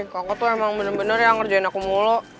kakak tuh emang bener bener yang ngerjain aku mulu